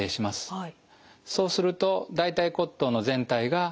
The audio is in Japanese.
はい。